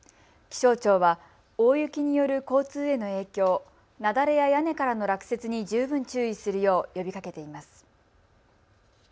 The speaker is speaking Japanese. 気象庁は大雪による交通への影響、雪崩や屋根からの落雪に十分注意するよう呼びかけています。